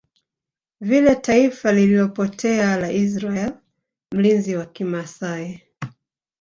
vile taifa lililopotea la Israel Mlinzi wa kimasai